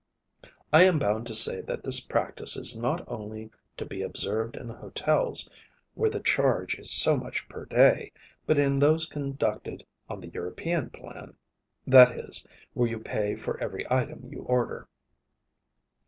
I am bound to say that this practice is not only to be observed in hotels where the charge is so much per day, but in those conducted on the European plan, that is, where you pay for every item you order.